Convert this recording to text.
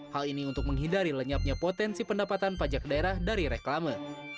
hal ini untuk menghindari lenyapnya potensi pendapatan pajak daerah dari reklame